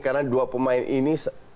karena dua pemain ini